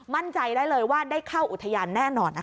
มั่นใจได้เลยว่าได้เข้าอุทยานแน่นอน